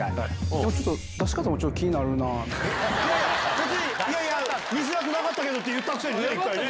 別に見づらくなかったけどって言ったくせにね１回ね。